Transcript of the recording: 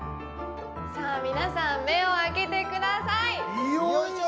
さあみなさん目を開けてくださいよいしょ！